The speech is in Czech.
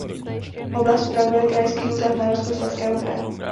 Oblast spravuje Krajský úřad Moravskoslezského kraje.